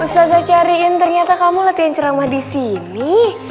ustazah cariin ternyata kamu latihan cerama disini